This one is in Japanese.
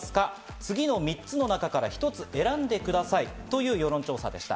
次の３つの中から一つ選んでくださいという世論調査でした。